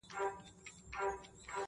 د جهاني عمر به وروسته نذرانه دروړمه!!